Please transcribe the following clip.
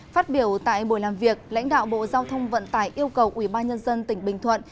phát biểu tại buổi làm việc lãnh đạo bộ giao thông vận tải yêu cầu ubnd tỉnh bình thuận